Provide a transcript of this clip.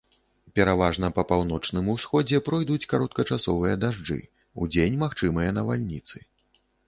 Пераважна па паўночным усходзе пройдуць кароткачасовыя дажджы, удзень магчымыя навальніцы.